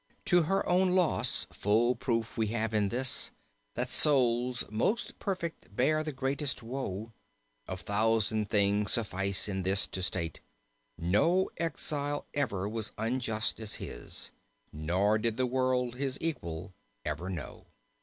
To her own loss: full proof we have in this That souls most perfect bear the greatest woe. Of thousand things suffice in this to state: No exile ever was unjust as his, Nor did the world his equal ever know.